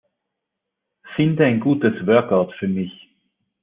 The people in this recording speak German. Finde ein gutes Workout für mich.